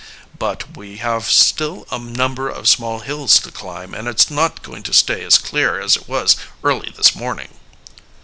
"But we have still a number of small hills to climb, and it's not going to stay as clear as it was early this morning."